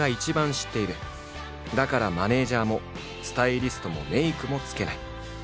だからマネージャーもスタイリストもメイクもつけない。